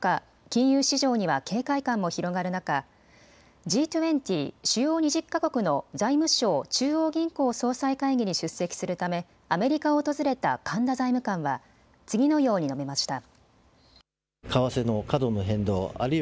金融市場には警戒感も広がる中、Ｇ２０・主要２０か国の財務相・中央銀行総裁会議に出席するためアメリカを訪れた神田財務官は次のように述べました。